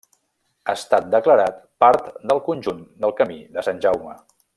Ha estat declarat part del conjunt del Camí de Sant Jaume.